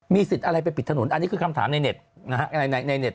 มีสิทธิ์อะไรไปปิดถนนอันนี้คือคำถามในเน็ต